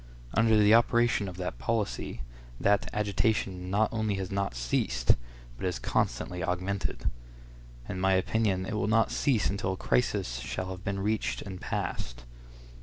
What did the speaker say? Under the operation of that policy, that agitation not only has not ceased, but has constantly augmented. In my opinion, it will not cease until a crisis shall have been reached and passed.